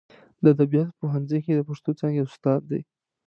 د ادبیاتو په پوهنځي کې د پښتو څانګې استاد دی.